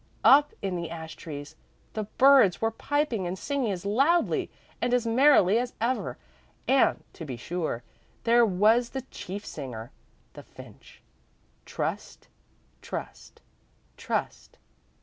up in the ash trees the birds were piping and singing as loudly and as merrily as ever and, to be sure, there was the chief singer, the finch. "Trust! Trust! Trust!